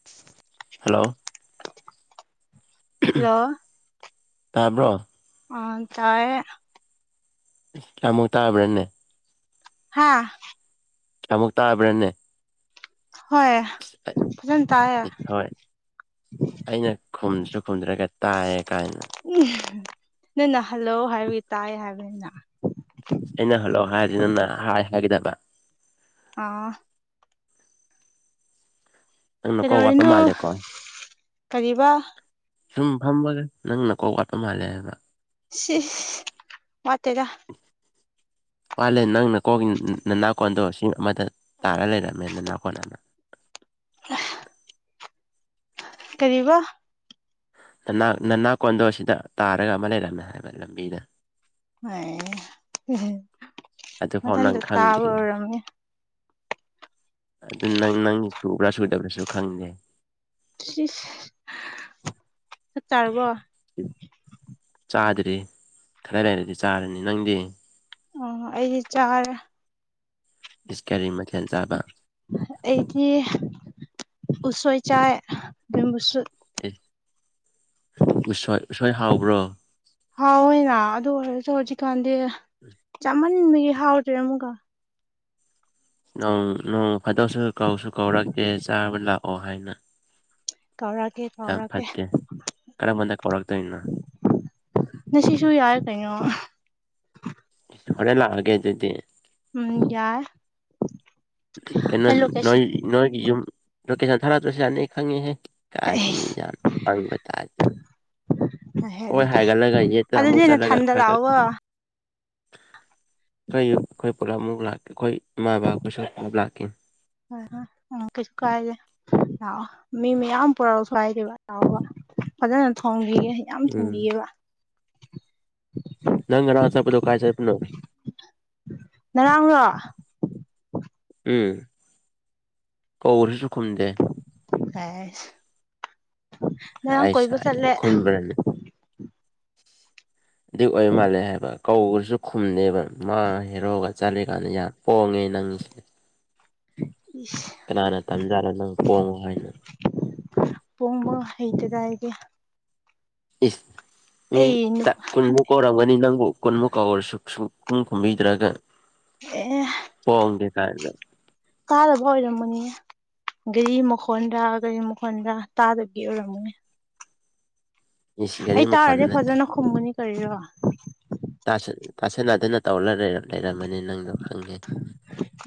[unintelligible] Hello hello [unintelligible] ꯇꯥꯕ꯭ꯔꯣ ꯑ ꯇꯥꯏꯌꯦ ꯀꯌꯥꯃꯨꯛ ꯇꯥꯕ꯭ꯔꯥꯅꯦ ꯍꯥꯥ ꯀꯌꯥꯝꯃꯨꯛ ꯇꯥꯕ꯭ꯔꯅꯦ ꯍꯣꯏ ꯑ ꯐꯖꯅ ꯇꯥꯏꯌꯦ ꯍꯤ ꯍꯣꯏ ꯑꯩꯅ ꯈꯨꯝꯁꯨ ꯈꯨꯝꯗ꯭ꯔꯒ ꯇꯥꯏꯌꯦ ꯀꯥꯏꯅ ꯎ ꯅꯪ ꯅ ꯍꯜꯂꯧ ꯍꯥꯏꯕꯒꯤ ꯇꯥꯏ ꯍꯥꯏꯕꯅꯤꯅ ꯑꯩꯅ ꯍꯜꯂꯣ ꯍꯥꯏꯗꯤ ꯅꯪꯅ ꯍꯥꯏ ꯍꯥꯏꯒꯗꯕ ꯑꯣ ꯅꯪ ꯅꯀꯣꯛ ꯋꯥꯠꯄ ꯀꯩꯗꯧꯔꯤꯅꯣ ꯃꯥꯜꯂꯦꯀꯣ ꯀꯔꯤꯕ ꯁꯨꯝ ꯐꯝꯕꯒꯥ ꯅꯪ ꯅꯀꯣꯛ ꯋꯥꯠꯄ ꯃꯥꯜꯂꯦ ꯍꯥꯏꯕ ꯁꯤꯁ ꯋꯥꯠꯇꯦꯗ [inaudible] ꯄꯥꯜꯂꯦ ꯅꯪꯅ ꯀꯣꯛ ꯅꯅꯥꯀꯣꯟꯗꯣ ꯁꯤ ꯑꯃꯗ ꯇꯔꯥ ꯂꯩꯔꯝꯃꯦ ꯅꯅꯥꯀꯣꯟ ꯑꯃ ꯀꯔꯤꯕ ꯅꯅꯥ ꯅꯅꯥ ꯀꯣꯟꯗꯣ ꯁꯤꯗ ꯇꯥꯔꯒ ꯑꯃ ꯂꯩꯔꯝꯃꯦ ꯍꯥꯏꯕ ꯂꯝꯕꯤꯗ ꯑꯣꯏ ꯑꯗꯨꯐꯥꯎ ꯅꯪ ꯃꯊꯟꯇ ꯇꯥꯕ ꯈꯪꯗ꯭ꯔꯤ ꯑꯣꯏꯔꯝꯅꯤ ꯑꯗꯨ ꯅꯪ ꯅꯪꯒꯤ ꯁꯨꯕ꯭ꯔꯥ ꯁꯨꯗꯕ꯭ꯔꯥꯁꯨ ꯈꯪꯗꯦ ꯁꯤꯁ ꯆꯥꯛ ꯆꯥꯔꯕꯣ ꯆꯥꯗ꯭ꯔꯤ ꯈꯔ ꯂꯩꯔꯗꯤ ꯆꯥꯔꯅꯤ ꯅꯪꯗꯤ ꯑꯣ ꯑꯩꯗꯤ ꯆꯥꯔꯦ ꯏꯁ ꯀꯔꯤ ꯃꯊꯦꯜ ꯆꯥꯕ ꯑꯩꯒꯤ ꯎꯁꯣꯏ ꯆꯥꯏ ꯕꯦꯝꯕꯨꯁꯨꯠ ꯑꯦ ꯎꯁꯣꯏ ꯎꯁꯣꯏ ꯍꯥꯎꯕ꯭ꯔꯣ ꯍꯥꯎꯏꯅ ꯑꯗꯨ ꯑꯣꯏꯔꯁꯨ ꯆꯤꯛꯀꯟꯗꯤ ꯆꯥꯃꯟ ꯃꯟꯕꯒꯤ ꯍꯥꯎꯇ꯭ꯔꯦ ꯑꯃꯨꯛꯀ ꯅ‌ꯣꯡ ꯅꯣꯡ ꯐꯥꯗ‌ꯣꯛꯁꯨ ꯀꯧꯁꯨ ꯀꯧꯔꯛꯇꯦ ꯆꯥꯕ ꯂꯥꯛꯑꯣ ꯍꯥꯏꯅ ꯀꯧꯔꯛꯀ‌ꯦ ꯌꯥꯝ ꯀꯧꯔꯛꯀ‌ꯦ ꯐꯠꯇꯦ ꯀꯔꯝꯕꯅ ꯀꯧꯔꯛꯇꯣꯏꯅꯣ ꯅꯁꯤꯁꯨꯨ ꯌꯥꯏ ꯀꯩꯅꯣ ꯍꯣꯔꯦꯜ ꯂꯥꯛꯑꯒꯦ ꯑꯗꯨꯗꯤ ꯎꯝ ꯌꯥꯏ ꯀꯩꯅꯣ ꯑꯩ ꯂꯣꯀꯦꯁꯟ ꯅꯣꯏ ꯅꯣꯏꯒꯤ ꯌꯨꯝ ꯂꯣꯀꯦꯁꯟ ꯊꯥꯔꯛꯇ꯭ꯔꯁꯨ ꯌꯥꯔꯅꯤ ꯑꯩ ꯈꯪꯉꯦꯍꯦ ꯀꯔꯤ ꯑꯩꯁ ꯌꯥꯝ ꯄꯪꯕ ꯇꯥꯏꯞꯇ ꯍꯣꯏ ꯑꯗꯨꯗꯤ ꯍꯥꯏꯒꯠꯂꯒ ꯌꯦꯠꯇ ꯑꯗꯨꯗꯤ ꯑꯃꯨꯛ ꯆꯠꯂꯒ ꯅꯊꯟꯗ ꯈꯔ ꯈ ꯂꯥꯛꯑꯣꯒꯣ ꯀꯩꯌꯨꯛ ꯑꯩꯈꯣꯏ ꯄꯨꯂꯞꯃꯨꯛ ꯂꯥꯛꯀꯦ ꯑꯩꯈꯣꯏ ꯏꯃꯥ ꯕꯥ ꯑꯩꯈꯣꯏꯁꯨ ꯄꯨꯂꯞ ꯂꯥꯛꯈꯤꯅꯤ ꯍꯣꯏ ꯍꯣꯏ ꯎꯪ ꯀꯩꯁꯨ ꯀꯥꯏꯗꯦ ꯂꯥꯛꯑꯣ ꯃꯤ ꯃꯌꯥꯝ ꯄꯨꯔꯛꯑꯣꯁꯨ ꯀꯩꯁꯨ ꯀꯥꯏꯗ‌ꯦꯕ ꯂꯥꯛꯑꯣꯕ ꯐꯖꯅ ꯊꯣꯡꯕꯤꯒꯦ ꯌꯥꯝ ꯎꯝ ꯊꯣꯡꯕꯤꯒꯦꯕ ꯅꯪ ꯉꯔꯥꯡ ꯆꯠꯄꯗꯣ ꯀ꯭ꯔꯥꯏ ꯆꯠꯄꯅꯣ ꯉꯔꯥꯡꯔꯣ ꯎꯝ ꯀꯧꯔꯁꯨ ꯈꯨꯝꯗꯦ ꯑꯥꯁ ꯑꯥꯁꯥ ꯍꯥꯏꯌꯦ ꯈꯨꯝꯒ꯭ꯔꯥꯅꯤ ꯑꯗꯨꯏ ꯑꯣꯏꯔꯃꯥꯜꯂꯦ ꯍꯥꯏꯕ ꯀꯧꯕꯁꯨ ꯈꯨꯝꯗꯦꯕ ꯃꯥ ꯍꯦꯔꯣꯒ ꯆꯠꯂꯤꯀꯥꯟꯗ ꯌꯥꯝ ꯄꯣꯡꯉꯦ ꯅꯪꯁꯦ ꯏꯁ ꯀꯅꯥꯅ ꯇꯝꯖꯥꯠꯂꯥ ꯅꯪ ꯄꯣꯡꯌ‌ꯣ ꯍꯥꯏꯅ ꯄꯣꯡꯕ ꯍꯩꯇꯦꯗ ꯑꯩꯗꯤ ꯏꯁ ꯃꯤ ꯑꯩ ꯇꯠ ꯀꯨꯟꯃꯨꯛ ꯀꯧꯔꯝꯒꯥꯅꯤ ꯅꯪꯕꯨ ꯀꯟꯃꯨꯛ ꯀꯧꯔꯁꯨ ꯁꯨꯡꯈꯨꯝ ꯈꯨꯝꯕꯤꯗ꯭ꯔꯥꯒ ꯑꯦ ꯄꯣꯡꯗꯦ ꯀꯥꯏꯅ ꯇꯥꯗꯕ ꯑꯣꯏꯔꯝꯃꯅꯤ ꯒꯥꯔꯤ ꯃꯈꯣꯟꯗ ꯒꯥꯔꯤ ꯃꯈꯣꯟꯗ ꯇꯥꯗꯕꯒꯤ ꯑꯣꯏꯔꯝꯒꯅꯤ ꯏꯁ ꯒꯥꯔꯤ ꯑꯩ ꯃꯈꯣꯟ ꯇꯥꯔꯗꯤ ꯅꯠꯇꯦ ꯐꯖꯅ ꯈꯨꯝꯃꯅꯤ ꯀꯔꯤꯅ‌ꯣ ꯇꯥꯁꯤꯟ ꯇꯁꯤꯟꯅꯗꯅ ꯇꯧꯔ ꯂꯩꯔꯝꯃꯅꯤꯅ ꯅꯪꯗꯣ ꯈꯪꯉꯦ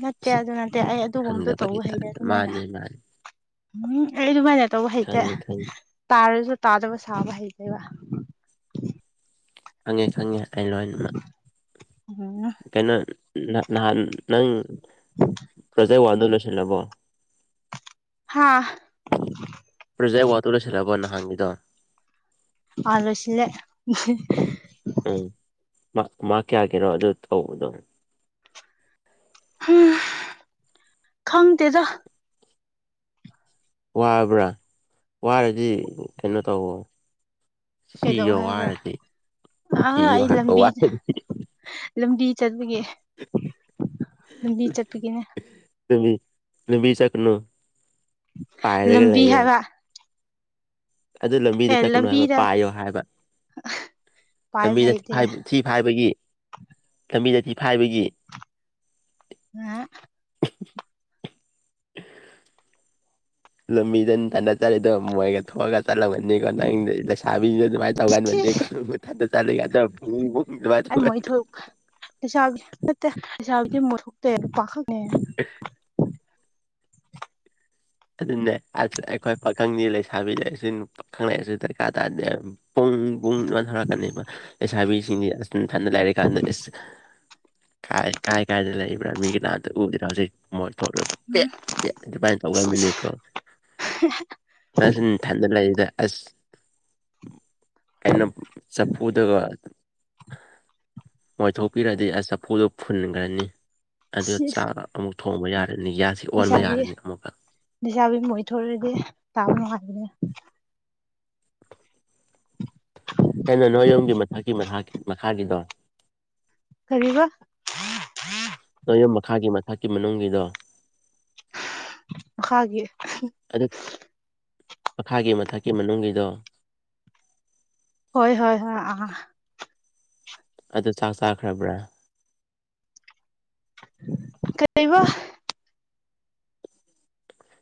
ꯅꯠꯇꯦ ꯑꯗꯨ ꯅꯠꯇꯦ ꯑꯩ ꯑꯗꯨꯒꯨꯝꯕꯗꯣ ꯈꯪꯗꯕꯒꯤ ꯇꯧꯕ ꯍꯩꯅꯗꯦ ꯇꯥꯏꯞꯇ ꯑꯗꯨꯃꯥꯏꯅ ꯃꯥꯅꯦ ꯃꯥꯅꯦ ꯍꯨꯝ ꯑꯩ ꯑꯗꯨꯃꯥꯏꯅ ꯇꯧꯕ ꯍꯩꯇꯦ ꯈꯪꯉꯦ ꯈꯪꯉꯦ ꯇꯥꯔꯁꯨ ꯇꯥꯗꯕ ꯁꯥꯕ ꯍꯩꯇꯦꯕ ꯈꯪꯉꯦ ꯈꯪꯉꯦ ꯑꯩ ꯂꯣꯏꯅꯃꯛ ꯎꯝ ꯀꯩꯅꯣ ꯅ ꯅꯍꯥꯟ ꯅꯪ ꯄ꯭ꯔꯣꯖꯦꯛ ꯋꯥꯟꯗꯨ ꯂꯣꯏꯁꯤꯜꯂꯕꯣ ꯍꯥꯥ ꯄ꯭ꯔꯣꯖꯦꯛ ꯋꯥꯠꯇꯨ ꯂꯣꯏꯁꯤꯜꯂꯕꯣ ꯅꯍꯥꯟꯒꯤꯗꯣ ꯑꯥ ꯂꯣꯁꯤꯜꯂꯦ ꯎꯝ ꯃꯥꯛ ꯃꯥꯛ ꯀꯌꯥꯒꯤꯔꯣ ꯑꯗꯨ ꯇꯧꯕꯗꯣ ꯍꯨꯝ ꯈꯪꯗꯦꯗ ꯋꯥꯕ꯭ꯔꯥ ꯋꯥꯔꯗꯤ ꯀꯩꯅꯣ ꯇꯧꯑꯣ ꯀꯩꯗꯧ ꯁꯤꯌꯣ ꯍꯥꯏꯕ꯭ꯔꯥ ꯋꯥꯔꯗꯤ ꯑꯥ ꯁꯤꯌꯣ ꯑꯩ ꯍꯥꯏꯕ ꯂꯝꯕꯤ ꯋꯥꯔꯗꯤ ꯂꯝꯕꯤ ꯆꯠꯄꯒꯤ ꯂꯝꯕꯤ ꯆꯠꯄꯒꯤꯅꯦ ꯂꯝꯕꯤ ꯂꯝꯕꯤ ꯆꯠꯀꯅꯣ ꯄꯥꯏꯔꯒ ꯂꯝꯕꯤ ꯂꯩꯌꯣ ꯍꯥꯏꯕ ꯑꯗꯨ ꯂꯝꯕꯤꯗ ꯑꯦ ꯆꯠꯀꯅꯨ ꯍꯥꯏꯕ ꯂꯝꯕꯤꯗ ꯄꯥꯏꯌꯣ ꯍꯥꯏꯕ ꯄꯥꯏꯕ ꯂꯝꯕꯤꯗ ꯊꯤ ꯍꯩꯇꯦ ꯐꯥꯏꯕ ꯊꯤ ꯐꯥꯏꯕꯒꯤ ꯂꯝꯕꯤꯗ ꯊꯤ ꯐꯥꯏꯕꯒꯤ ꯉꯥ [unintelligible] ꯂꯝꯕꯤꯗ ꯑꯗꯨ ꯇꯥꯟꯅꯆꯔꯦꯗꯣ ꯃꯣꯏꯒ ꯊꯣꯛꯑꯒ ꯆꯠꯂꯕꯒꯅꯤꯀꯣ ꯅꯪꯗꯤ ꯂꯩꯁꯥꯕꯤꯗꯣ ꯑꯗꯨꯃꯥꯏꯅ ꯁꯤꯁ ꯇꯧꯒꯟꯕꯅꯤꯀꯣ ꯃꯊꯟꯇ ꯆꯠꯂꯤꯒꯟꯗ ꯄꯨꯡ ꯑꯗꯨꯃꯥꯏꯅ ꯑꯩꯅ ꯇꯧꯒꯟ ꯃꯩꯏ ꯊꯣꯛ ꯂꯩꯁꯥꯕꯤ ꯅꯠꯇꯦ ꯂꯩꯁꯥꯕꯤꯗꯤ ꯃꯣꯏ ꯊꯣꯛꯇꯦ ꯄꯥꯈꯛꯅꯦ ꯑꯦ ꯑꯗꯨꯅꯦ ꯑꯁ ꯑꯩꯈꯣꯏ ꯄꯥꯈꯪꯗꯤ ꯂꯩꯁꯥꯕꯤ ꯂꯩꯁꯨ ꯅꯨꯄꯥ ꯄꯥꯈꯪ ꯂꯩꯔꯁꯨ ꯗꯔꯀꯥꯔ ꯇꯥꯗꯦ ꯄꯨꯡ ꯄꯨꯡ ꯁꯨꯃꯥꯏꯅ ꯊꯣꯔꯛꯀꯅꯦꯕ ꯂꯩꯁꯥꯕꯤꯁꯤꯡꯗꯤ ꯑꯁ ꯅꯊꯟꯇ ꯂꯩꯥꯔꯤꯀꯥꯟꯗ ꯏꯁ ꯀꯥꯏ ꯀꯥꯏ ꯀꯥꯏꯗ ꯂꯩꯕ꯭ꯔꯥ ꯃꯤꯒꯤꯅꯥꯛꯇ ꯎꯗꯦꯗ ꯍꯧꯖꯤꯛ ꯃꯣꯏ ꯊꯣꯛꯔ ꯄꯦꯠ ꯄꯦꯠ ꯑꯗꯨꯃꯥꯏꯅ ꯁꯤꯁ ꯇꯧꯒꯟꯕꯅꯤꯀꯣ ꯅꯪꯁꯨ ꯅꯊꯟꯇ ꯂꯩꯗ ꯑꯁ ꯑꯩꯅ ꯆꯐꯨꯗꯨꯀꯣ ꯃꯣꯏꯊꯣꯛꯄꯤꯔꯗꯤ ꯑꯁ ꯆꯐꯨꯗꯨ ꯐꯨꯟꯒ꯭ꯔꯅꯤ ꯑꯗꯨꯒ ꯆꯥꯛ ꯑꯃꯨꯛ ꯊꯣꯡꯕ ꯌꯥꯔꯅꯤ ꯒꯥꯁ ꯂꯩꯁꯥꯕꯤ ꯂꯩꯁꯥꯕꯤ ꯃꯣꯏ ꯊꯣꯛꯔꯗꯤ ꯇꯥꯕ ꯅꯨꯡꯉꯥꯏꯕꯅꯦ [inaudible] ꯀꯩꯅꯣ ꯅꯣꯏ ꯌꯣꯝꯒꯤ ꯃꯊꯛꯀꯤ ꯃꯈꯥꯒꯤ ꯃꯈꯥꯒꯤꯗꯣ ꯀꯔꯤꯕ ꯅꯣꯏ ꯌꯨꯝ ꯃꯈꯥꯒꯤ ꯃꯊꯛꯀꯤ ꯃꯅꯨꯡꯒꯤꯗꯣ ꯃꯈꯥꯒꯤ ꯑꯗꯨ ꯃꯈꯥꯒꯤ ꯃꯊꯛꯀꯤ ꯃꯅꯨꯡꯒꯤꯗꯣ ꯍꯣꯏ ꯍꯣꯏ ꯍꯣꯏ ꯑ ꯑꯗꯨ ꯆꯥꯛ ꯆꯥꯈ꯭ꯔꯕ꯭ꯔꯥ ꯀꯩꯕ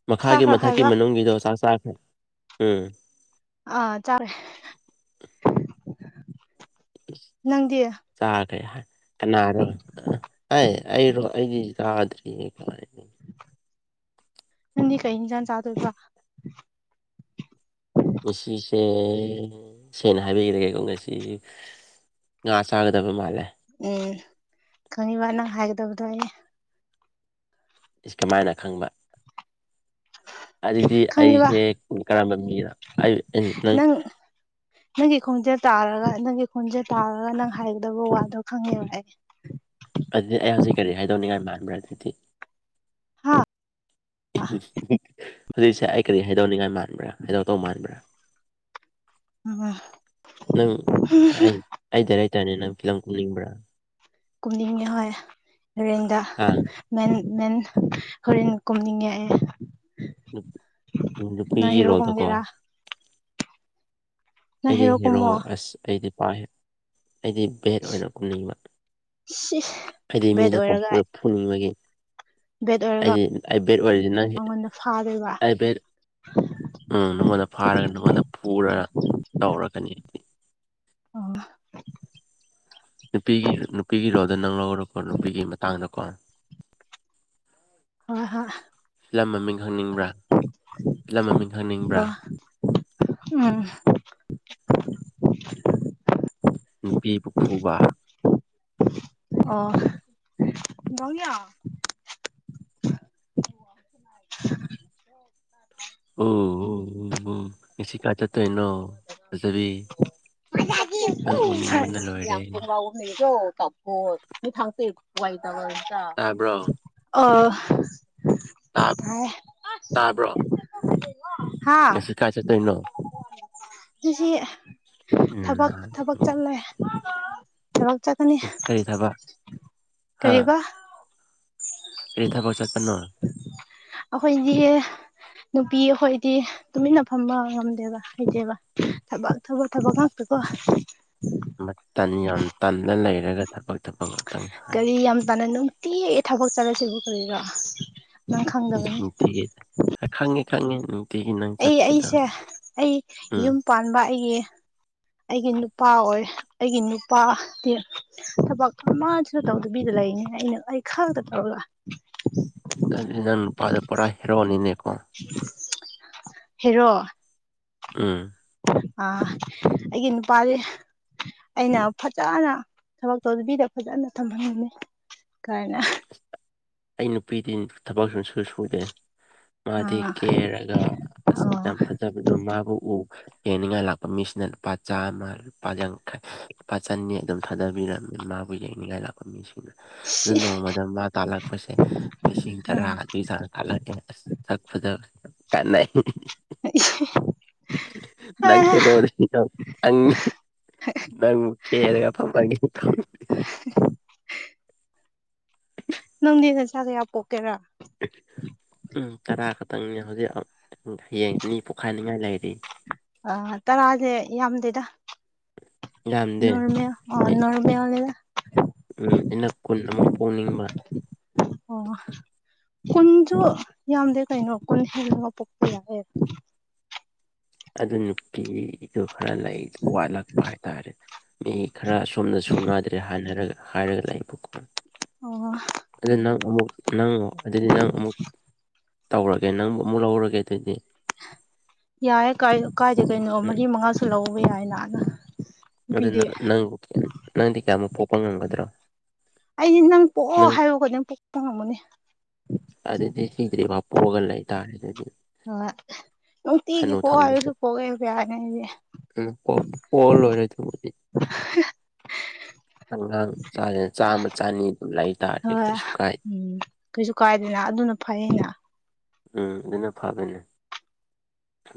ꯃꯈꯥꯒꯤ ꯆꯥꯈ꯭ꯔꯕ ꯃꯊꯛꯀꯤ ꯍꯥꯏꯕ ꯃꯅꯨꯡꯒꯤꯗꯣ ꯆꯥꯛ ꯆꯥꯈ꯭ꯔꯦ ꯎꯝ ꯑꯥ ꯆꯥꯔꯦ ꯅꯪꯗꯤ ꯆꯥꯈꯦ ꯍꯥꯏ ꯀꯅꯥꯔꯣ ꯑ ꯑꯩ ꯑꯩꯔꯣ ꯑꯩꯗꯤ ꯆꯥꯗ꯭ꯔꯤ ꯀꯥꯏ ꯅꯪꯗꯤ ꯀꯩ ꯏꯟꯖꯡ ꯆꯥꯗꯧꯕ ꯉꯁꯤꯁꯦ ꯁꯦꯡꯅ ꯍꯥꯏꯕꯤꯔꯒꯦꯀꯣ ꯉꯁꯤ ꯉꯥ ꯆꯥꯒꯗꯕ ꯃꯥꯜꯂꯦ ꯎꯝ ꯈꯪꯉꯤꯕ ꯅꯪ ꯍꯥꯏꯒꯗꯕꯗꯣ ꯑꯩ ꯏꯁ ꯀꯃꯥꯏꯅ ꯈꯪꯕ ꯑꯗꯨꯗꯤ ꯈꯪꯉꯤꯕ ꯑꯩꯁꯦ ꯀꯔꯝꯕ ꯃꯤꯅꯣ ꯅꯪ ꯅꯪꯒꯤ ꯈꯣꯡꯖꯦꯜ ꯇꯥꯔꯒ ꯅꯪꯒꯤ ꯈꯣꯡꯖꯦꯜ ꯇꯥꯔꯒ ꯅꯪ ꯍꯥꯏꯒꯗꯕ ꯋꯥꯗꯣ ꯈꯪꯉꯦꯕ ꯑꯩ ꯑꯗꯨꯗꯤ ꯑꯩ ꯍꯧꯖꯤꯛ ꯀꯔꯤ ꯍꯥꯏꯗꯧꯅꯤꯡꯉꯥꯏ ꯃꯥꯟꯕ꯭ꯔꯥ ꯑꯗꯨꯗꯤ ꯍꯥ꯫ [unintelligible] ꯍꯧꯖꯤꯛꯁꯦ ꯑꯩ ꯀꯔꯤ ꯍꯥꯏꯗꯣꯛꯅꯤꯡꯉꯥꯏ ꯃꯥꯟꯕ꯭ꯔꯥ ꯍꯥꯏꯗꫭꯛꯇꯧ ꯃꯥꯟꯕ꯭ꯔꯥ꯫ [unintelligible] ꯅꯪ ꯑꯩ ꯑꯩ ꯗꯥꯏꯔꯦꯛꯇꯔꯅꯤ ꯅꯪ ꯐꯤꯂꯝ ꯀꯨꯝꯅꯤꯡꯕ꯭ꯔꯥ꯫ ꯀꯨꯝꯅꯤꯡꯉꯦ ꯍꯣꯏ ꯔꯦꯟꯗ꯫ ꯍꯥ꯫ ꯃꯦꯟ ꯃꯦꯟ ꯍꯣꯔꯦꯅ ꯀꯨꯝꯅꯤꯡꯉꯦ ꯑꯩ꯫ ꯅꯨꯞ ꯅꯪ ꯅꯨꯄꯤꯒꯤ ꯍꯦꯔꯣ ꯔꯣꯜꯗꯣꯀꯣ꯫ ꯀꯨꯝꯒꯦꯔꯥ ꯅꯪ ꯑꯩꯗꯤ ꯍꯦꯔꯣ ꯀꯨꯝꯃꯣ ꯑꯁ ꯑꯩꯗꯤ ꯄꯥꯏ ꯑꯩꯗꯤ ꯕꯦꯠ ꯑꯣꯏꯅ ꯀꯨꯝꯅꯤꯡꯕ꯫ ꯁꯤ ꯍꯥꯏꯗꯤ ꯕꯦꯠ ꯃꯤꯗ ꯑꯣꯏꯔꯒ ꯄꯪꯐꯨꯗ ꯐꯨꯅꯤꯡꯕꯒꯤ꯫ ꯕꯦꯠ ꯑꯣꯏꯔꯒ ꯍꯥꯏꯗꯤ ꯑꯩ ꯕꯦꯠ ꯑꯣꯏꯔꯤꯗꯤ ꯅꯪ ꯍꯦ ꯑꯩꯉꯣꯟꯗ ꯐꯥꯗꯣꯏꯕ ꯑꯩ ꯕꯦꯗ ꯎꯝ ꯅꯉꯣꯟꯗ ꯐꯥꯔꯒ ꯅꯉꯣꯟꯗ ꯄꯨꯔꯒ ꯇꯧꯔꯛꯀꯅꯤ ꯑꯩꯗꯤ꯫ ꯑꯣ꯫ ꯅꯨꯄꯤꯒꯤ ꯅꯨꯄꯤꯒꯤ ꯔꯣꯜꯗ ꯅꯪ ꯂꯧꯔꯣꯀꯣ ꯅꯨꯄꯤꯒꯤ ꯃꯇꯥꯡꯗꯀꯣ꯫ ꯍꫭꯏ-ꯍꫭꯏ꯫ ꯐꯤꯂꯝ ꯃꯃꯤꯡ ꯈꯪꯅꯤꯡꯕ꯭ꯔꯥ ꯐꯤꯂꯝ ꯃꯃꯤꯡ ꯈꯪꯅꯤꯡꯕ꯭ꯔꯥ꯫ ꯑꯣ [unintelligible] ꯅꯨꯄꯤꯕꯨ ꯐꯨꯕꯥ꯫ ꯑꯣ [inaudible] [unintelligible] ꯑꯣ ꯑꯣ ꯎ ꯎ ꯉꯁꯤ ꯀꯥꯏ ꯆꯠꯇꫭꯏꯅꯣ ꯐꯖꯕꯤ꯫ [inaudible] ꯅꯪ ꯍꫭ ꯎꯅꯤꯡꯕꯅ ꯂꯣꯏꯔꯦ ꯇꯥꯕ꯭ꯔꯣ [inaudible] ꯑ꯫ ꯥ ꯇꯥꯞ ꯇꯥꯕ꯭ꯔꯣ꯫ [inaudible] ꯍꯥꯥ ꯉꯁꯤ ꯀꯥꯏ ꯆꯠꯇꯣꯏꯅꯣ [inaudible] ꯇꯨꯁꯤ ꯎꯝ ꯊꯕꯛ ꯅꯍꯥꯟ ꯊꯕꯛ ꯆꯠꯂꯦ [unintelligible] ꯊꯕꯛ ꯆꯠꯀꯅꯤ ꯀꯔꯤ ꯊꯕꯛ ꯍꯥ ꯀꯔꯤꯕꯥ꯫ ꯀꯔꯤ ꯊꯕꯛ ꯆꯠꯄꯅꯣ꯫ [unintelligible] ꯑꯈꯣꯏꯗꯤ [unintelligible] ꯅꯨꯄꯤ ꯑꯈꯣꯏꯗꯤ ꯇꯨꯃꯤꯟꯅ ꯐꯝꯕ ꯉꯝꯗꯦꯕ ꯍꯩꯇꯦꯕ꯫ ꯊꯕꯛ ꯊꯕꯛ ꯊꯥꯕꯛ ꯉꯛꯇꯀꫭ꯫ ꯃꯇꯟ ꯌꯥꯝ ꯇꯟꯅ ꯂꯩꯔꯒ ꯊꯕꯛ ꯊꯕꯛ ꯍꯥꯏ ꯀꯔꯤ ꯌꯥꯝ ꯇꯟꯅ ꯅꯨꯡꯇꯤ ꯊꯕꯛ ꯆꯠꯂꯁꯤꯕꯨ ꯀꯔꯤꯔꫭ [unintelligible] ꯅꯨꯡꯇꯤꯒꯤ ꯑꯥ ꯈꯪꯉꯦ-ꯈꯪꯉꯦ ꯎꯪ꯫ ꯑꯩ ꯑꯩꯁꯦ ꯑꯩ ꯎꯝ ꯌꯨꯝ ꯄꯥꯟꯕ ꯑꯩꯒꯤ ꯑꯩꯒꯤ ꯅꯨꯄꯥ ꯑꯣꯏ ꯑꯩꯒꯤ ꯅꯨꯄꯥꯗꯤ ꯊꯕꯛ ꯑꯃꯁꯨ ꯇꯧꯗꯕꯤꯗ ꯂꯩꯅꯤ ꯑꯩꯅ ꯑꯩ ꯈꯛꯇ ꯇꯧꯔꯒ꯫ ꯑꯗꯨꯗꯤ ꯅꯪ ꯅꯨꯄꯥꯗꯤ ꯄꯨꯔꯥ ꯍꯦꯔꯣꯅꯤꯅꯦꯀꯣ꯫ [unintelligible] ꯍꯦꯔꯣ꯫ ꯑꯝ ꯑ ꯑꯩꯒꯤ ꯅꯨꯄꯥꯗꯤ ꯑꯩꯅ ꯐꯖꯅ ꯊꯕꯛ ꯇꯧꯗꯕꯤꯗ ꯐꯖꯅ ꯊꯝꯍꯟꯒꯅꯤ ꯀꯥꯏꯅ꯫ ꯑꯩ ꯅꯨꯄꯤꯗꯤ ꯊꯕꯛ ꯁꯨꯡꯁꯨ ꯁꯨꯗꯦ ꯃꯥꯗꯤ ꯑꯥ ꯀꯦꯔꯒ ꯑꯁ꯫ ꯑꯣ ꯌꯥꯝ ꯐꯖꯕꯗꯣ ꯃꯥꯕꯨ ꯎ ꯌꯦꯡꯅꯤꯡꯉꯥꯏ ꯂꯥꯛꯄ ꯃꯤꯁꯤꯅ ꯂꯨꯄꯥ ꯆꯥꯃ ꯂꯨꯄꯥ ꯌꯥꯡꯈꯩ ꯂꯨꯄꯥ ꯆꯟꯅꯤ ꯑꯗꯨꯝ ꯊꯥꯗꯕꯤꯔꯝꯃꯤ ꯃꯥꯕꯨ ꯌꯦꯡꯅꯤꯡꯉꯥꯏ ꯂꯥꯛ ꯃꯤꯁꯤꯡꯗꯨꯅ ꯑꯗꯨ ꯅꯣꯡꯃꯗ ꯃꯥ ꯇꯥꯂꯛ [inaudible] ꯂꯤꯁꯤꯡ ꯇꯔꯥ ꯑꯥ ꯑꯗꯨꯒꯤ ꯆꯥꯡ ꯊꯥꯂꯛꯑꯦ ꯑꯁ ꯊꯛꯄꯗ ꯀꯥꯟꯅꯩ ꯏꯁ ꯅꯪ ꯍꯦꯔꯣꯗꯤ [inaudible] ꯅꯪ ꯀꯦꯔꯒ ꯐꯝꯕꯒꯤꯀꯣ ꯅꯪꯗꯤ ꯅꯆꯥ ꯀꯌꯥ ꯄꯣꯛꯀꯦꯔꯥ ꯎꯝ ꯇꯔꯥ ꯈꯛꯇꯪꯅꯤꯅꯦ ꯍꯧꯖꯤꯛ ꯍꯌꯦꯡ ꯑꯅꯤ ꯄꯣꯛꯈꯥꯏꯅꯤꯡꯉꯥꯏ ꯂꯩꯔꯤ ꯑ ꯇꯔꯥꯁꯦ ꯌꯥꯝꯗꯦꯗ ꯌꯥꯝꯗꯦ ꯅꯣꯔꯃꯦꯜ ꯑꯣ ꯅꯣꯔꯃꯦꯜ ꯅꯤꯗ ꯎꯝ ꯑꯩꯅ ꯀꯨꯟ ꯑꯃꯨꯛ ꯄꯣꯛꯅꯤꯡꯕ ꯑꯣ ꯀꯨꯟꯁꯨ ꯌꯥꯝꯗꯦ ꯀꯩꯅꯣ ꯀꯨꯟ ꯍꯦꯟꯂꯒ ꯄꯣꯛꯄ ꯌꯥꯏꯑꯦ ꯑꯗꯨ ꯅꯨꯄꯤꯗꯨ ꯈꯔ ꯂꯩ ꯋꯥꯠꯂꯛꯄ ꯍꯥꯏꯇꯥꯔꯦ ꯃꯤ ꯈꯔ ꯑꯁꯣꯝꯗ ꯁꯨꯅꯗ꯭ꯔꯦ ꯍꯥꯏꯅꯔ ꯍꯥꯏꯔꯒ ꯂꯩꯕ ꯀꯣ ꯑꯣ ꯑꯗꯨꯗꯤ ꯅꯪ ꯑꯃꯨꯛ ꯅꯪ ꯑꯗꯨꯗꯤ ꯅꯪ ꯑꯃꯨꯛ ꯇꯧꯔꯒꯦ ꯅꯪꯕꯨ ꯑꯃꯨꯛ ꯂꯧꯔꯒꯦ ꯑꯗꯨꯗꯤ ꯌꯥꯏ ꯀꯥꯏ ꯀꯥꯏꯗꯦ ꯀꯩꯅꯣ ꯃꯔꯤ ꯃꯉꯥꯁꯨ ꯂꯧꯕ ꯌꯥꯏꯅ ꯅꯨꯄꯤꯗꯤ ꯑꯗꯨꯅ ꯅꯪꯕꯨ ꯅꯪꯗꯤ ꯀꯌꯥꯃꯨꯛ ꯄꯣꯛꯄ ꯉꯝꯒꯗ꯭ꯔꯣ ꯑꯩꯗꯤ ꯅꯪ ꯄꯣꯛꯑꯣ ꯍꯥꯏꯕ ꯈꯨꯗꯤꯡ ꯄꯣꯛꯄ ꯉꯝꯒꯅꯤ ꯑꯗꯨꯗꯤ ꯁꯤꯗ꯭ꯔꯤ ꯐꯥꯎ ꯄꯣꯛꯑꯒ ꯂꯩꯇꯥꯔꯦ ꯑꯗꯨꯗꯤ ꯍꯣꯏ ꯅꯨꯡꯇꯤꯒꯤ ꯍꯅꯨ ꯄꯣꯛ ꯊꯪꯅꯁꯨ ꯍꯥꯏꯕꯁꯨ ꯄꯣꯛꯑꯦ ꯌꯥꯏꯅꯦ ꯑꯩꯗꯤ ꯄꯣꯛꯑ [unintelligible] ꯑꯉꯥꯡ ꯆꯥꯝꯃꯥ ꯆꯅꯤ ꯑꯗꯨꯝ ꯂꯩꯇꯥꯥꯔꯗꯤ ꯍꯣꯏ ꯀꯩꯁꯨ ꯀꯥꯏ ꯎꯝ ꯀꯩꯁꯨ ꯀꯥꯏꯗꯦꯅ ꯑꯗꯨꯅ ꯐꯩꯅ ꯎꯝ ꯑꯗꯨꯅ ꯐꯕꯅꯦ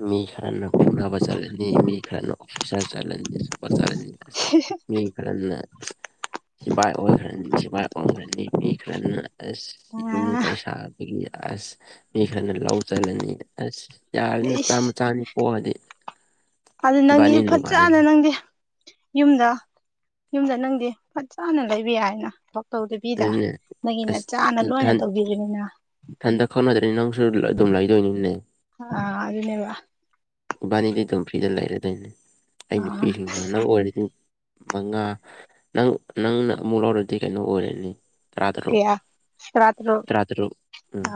ꯃꯤ ꯈꯔꯅ ꯐꯨꯅꯕ ꯆꯠꯂꯅꯤ ꯃꯤ ꯈꯔꯅ ꯑꯣꯐꯤꯁꯥꯔ ꯆꯠꯂꯅꯤ [inaudible] ꯆꯠꯂꯅꯤ ꯑꯁ ꯃꯤ [unintelligible] ꯈꯔꯅ ꯁꯤꯐꯥꯏ ꯑꯣꯏꯈ꯭ꯔꯅꯤ ꯁꯤꯐꯥꯏ ꯑꯣꯟꯈ꯭ꯔꯅꯤ ꯃꯤ ꯈꯔꯅ ꯑꯁ ꯌꯨꯝ ꯑꯥ ꯀꯩꯁꯥꯕꯒꯤ ꯑꯁ ꯃꯤ ꯈꯔꯅ ꯂꯧ ꯆꯠꯂꯅꯤ ꯑꯁ ꯌꯥꯔꯅꯤ ꯏꯁ ꯆꯥꯝꯃ ꯆꯅꯤ ꯄꯣꯛꯑꯗꯤ ꯑꯗꯨ ꯅꯪꯒꯤ ꯏꯕꯥꯅꯤ ꯅꯨꯡꯉꯥꯏꯅ ꯐꯖꯅ ꯂꯩ ꯅꯪꯗꯤ ꯌꯨꯝꯗ ꯌꯨꯝꯗ ꯅꯪꯗꯤ ꯐꯖꯅ ꯂꯩꯕ ꯌꯥꯏꯅ ꯊꯕꯛ ꯇꯧꯗꯕꯤꯗ ꯑꯗꯨꯅꯦ ꯅꯪꯒꯤ ꯅꯆꯥꯅ ꯂꯣꯏꯅ ꯇꯧꯕꯤꯒꯤꯅꯤꯅ ꯏꯊꯟꯗ ꯈꯛꯇ ꯅꯠꯇ꯭ꯔꯦꯅꯦ ꯅꯪꯁꯨ ꯑꯗꯨꯝ ꯂꯩꯥꯗꯣꯏꯅꯤꯅꯦ ꯑ ꯑꯗꯨꯅꯦꯕ ꯏꯕꯥꯟꯅꯤꯗꯤ ꯑꯗꯨꯝ ꯐ꯭ꯔꯤꯗ ꯂꯩꯔꯗꯣꯏꯅꯦ ꯑꯩ ꯅꯨꯄꯤꯁꯤꯡꯅ ꯅꯪ ꯑꯣꯏꯔꯗꯤ ꯃꯉꯥ ꯅꯪ ꯅꯪꯅ ꯑꯃꯨꯛ ꯂꯧꯔꯗꯤ ꯀꯩꯅꯣ ꯑꯣꯏꯔꯅꯤ ꯇꯔꯥ ꯇꯔꯨꯛ ꯀꯌꯥ ꯇꯔꯥꯇꯔꯨꯛ ꯇꯔꯥ ꯇꯔꯨꯛ ꯎꯝ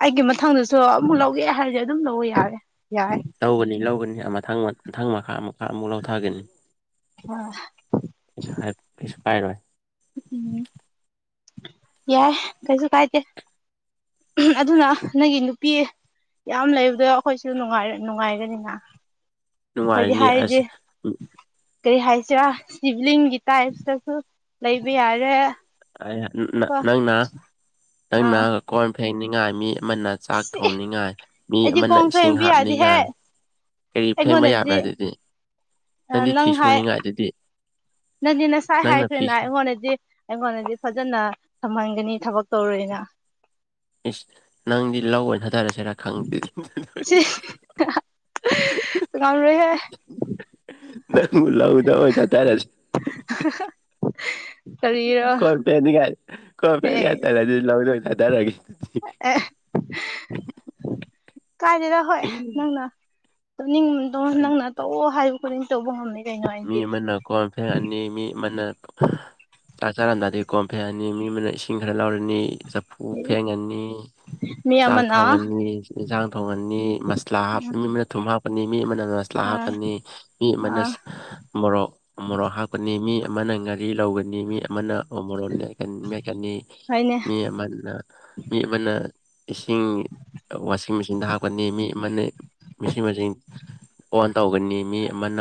ꯑꯩꯒꯤ ꯃꯊꯪꯗꯁꯨ ꯑꯃꯨꯛ ꯂꯧꯒꯦ ꯍꯥꯏꯗꯤ ꯑꯗꯨꯝ ꯂꯧꯑꯣ ꯌꯥꯔꯦ ꯌꯥꯔꯦ ꯂꯧꯒꯅꯤ ꯂꯧꯒꯅꯤ ꯃꯊꯪ ꯃꯊꯪ ꯃꯈꯥ ꯑꯃꯨꯛꯀ ꯑꯃꯨꯛ ꯂꯧꯊꯒꯅꯤ [unintelligible] ꯀꯩꯁꯨ ꯍꯥꯏꯔꯣꯏ ꯀꯩꯁꯨ ꯀꯥꯏꯔꯣꯏ ꯎꯝ ꯌꯥꯏ ꯀꯩꯁꯨ ꯀꯥꯏꯗꯦ ꯑꯗꯨꯅ ꯅꯪꯒꯤ ꯅꯨꯄꯤ ꯌꯥꯝ ꯂꯩꯕꯗꯣ ꯑꯩꯈꯣꯏꯁꯨ ꯅꯨꯡꯉꯥꯏꯔꯦ ꯅꯨꯡꯉꯥꯏꯔꯦꯗꯅ ꯈꯣꯏꯗꯤ ꯅꯨꯡꯉꯥꯏꯔꯅꯤ ꯍꯥꯏꯔꯗꯤ ꯑꯁ ꯀꯩ ꯍꯥꯏꯁꯦꯔꯥ ꯁꯤꯚꯂꯤꯡꯒꯤ ꯇꯥꯏꯞꯇꯁꯨ ꯂꯩꯕ ꯌꯥꯔꯦ ꯑꯩꯅ ꯅꯥ ꯀꯣ ꯅꯪꯅ ꯅꯪꯅ ꯑꯥ ꯀꯣꯟ ꯐꯦꯡꯅꯤꯡꯉꯥꯏ ꯃꯤ ꯑꯃꯅ ꯆꯥꯛ ꯁꯤ ꯊꯣꯡꯅꯤꯡꯉꯥꯏ ꯃꯤ ꯑꯩꯗꯤ ꯑꯃꯅ ꯀꯣꯡ ꯏꯁꯤꯡ ꯐꯦꯡꯕ ꯌꯥꯗꯦꯍꯦ ꯍꯥꯞꯅꯤꯡꯉꯥꯏ ꯀꯔꯤ ꯐꯦꯡꯕ ꯑꯩꯉꯣꯟꯗꯗꯤ ꯌꯥꯕ꯭ꯔꯥ ꯗꯨꯗꯤ ꯅꯪꯗꯤ ꯐꯤ ꯅꯪ ꯍꯥꯏ ꯁꯨꯅꯤꯡꯉꯥꯏ ꯗꯨꯗꯤ ꯅꯪꯗꯤ ꯅꯁꯥꯏ ꯍꯥꯏꯈ꯭ꯔꯦꯅ ꯑꯩꯉꯣꯟꯗꯗꯤ ꯑꯩꯉꯣꯟꯗꯗꯤ ꯐꯖꯅ ꯊꯝꯍꯟꯒꯅꯤ ꯊꯕꯛ ꯇꯧꯔꯣꯏꯅ ꯏꯁ ꯅꯪꯗꯤ ꯂꯧ ꯑꯣꯏ ꯊꯥꯗꯔꯁꯤꯔꯥ ꯈꯪꯗꯦ ꯁꯤ ꯉꯝꯔꯣꯏꯍꯦ ꯅꯪ ꯂꯧꯗ ꯑꯣꯏ ꯊꯥꯗꯔꯁꯤ [unintelligible] ꯀꯣꯟ ꯐꯦꯟꯅꯤꯉꯥꯏ ꯀꯣꯟ ꯑꯦ ꯐꯦꯟꯅꯤꯉꯥꯏ ꯇꯜꯂꯗꯤ ꯂꯧꯗ ꯑꯣꯏ ꯊꯥꯗꯔꯒ‌ꯦ ꯑꯦ ꯀꯥꯏꯗꯩꯅꯣ ꯍꯣꯏ ꯅꯪꯅ ꯇꯨꯝꯅꯤꯡꯉꯤꯗꯣ ꯅꯪꯅ ꯇꯧꯑꯣ ꯍꯥꯏꯕ ꯈꯨꯗꯤꯡ ꯇꯧꯕ ꯉꯝꯅꯤ ꯀꯩꯅꯣ ꯃꯤ ꯑꯩꯗꯤ ꯑꯃꯅ ꯀꯣꯟ ꯐꯦꯡꯉꯛꯑꯅꯤ ꯃꯤ ꯑꯃꯅ ꯆꯥꯛ ꯆꯥꯔꯝꯗꯥꯏꯗꯤ ꯀꯣꯟ ꯐꯦꯡꯉꯅꯤ ꯃꯤ ꯑꯃꯅ ꯏꯁꯤꯡ ꯈꯔ ꯂꯧꯔꯅꯤ ꯆꯥꯐꯨ ꯎ ꯐꯦꯡꯉꯅꯤ ꯃꯤ ꯆꯥꯛ ꯑꯃꯅ ꯊꯣꯡꯉꯅꯤ ꯏꯟꯖꯥꯡ ꯊꯣꯡꯉꯅꯤ ꯃꯁꯂꯥ ꯍꯥꯞ ꯃꯤ ꯑꯃꯅ ꯊꯨꯝ ꯍꯥꯞꯄꯅꯤ ꯃꯤ ꯑꯃꯅ ꯃꯁꯂꯥ ꯍꯥꯞ ꯑꯥ ꯄꯅꯤ ꯃꯤ ꯑꯥ ꯑꯃꯅꯁ ꯃꯣꯔꯣꯛ ꯎꯃꯣꯔꯣꯛ ꯍꯥꯞꯀꯅꯤ ꯃꯤ ꯑꯃꯅ ꯉꯔꯤ ꯂꯧꯒꯅꯤ ꯃꯤ ꯑꯃꯅ ꯎꯃꯣꯔꯣꯛ ꯃꯦꯠꯀ ꯃꯦꯠꯀꯅꯤ ꯍꯣꯏꯅꯦ ꯃꯤ ꯑꯃꯅ ꯃꯤ ꯑꯃꯅ ꯏꯁꯤꯡ ꯋꯥꯁꯤꯡ ꯃꯦꯆꯤꯟꯗ ꯍꯥꯞꯀꯅꯤ ꯃꯤ ꯑꯃꯅ ꯃꯤꯁꯤꯡ ꯋꯥꯆꯤꯡ ꯑꯣꯟ ꯇꯧꯒꯅꯤ ꯃꯤ ꯑꯃꯅ